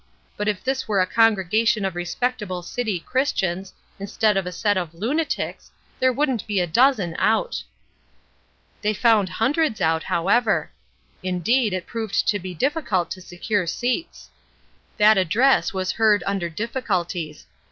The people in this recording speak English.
But if this were a congregation of respectable city Christians, instead of a set of lunatics, there wouldn't be a dozen out." They found hundreds out, however. Indeed, it proved to be difficult to secure seats. That address was heard under difficulties.